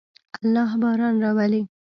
الله باران راولي.